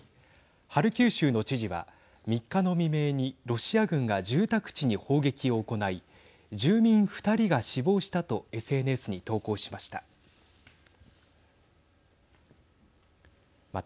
ハルキウ州の知事は３日の未明にロシア軍が住宅地に砲撃を行い住民２人が死亡したとＳＮＳに投稿しました。